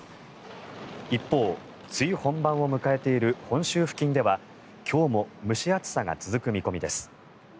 一方、梅雨本番を迎えている本州付近では今日も蒸し暑さが続く見込みです。